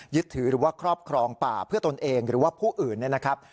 ยึดถือหรือว่าครอบครองป่าเพื่อตนเองหรือว่าผู้อื่นเนี่ยนะครับ